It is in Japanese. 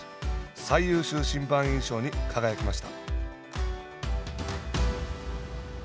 最優秀審判員賞に輝きました。